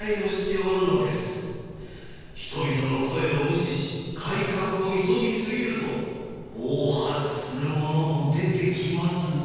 人々の声を無視し改革を急ぎすぎると暴発する者も出てきますぞ。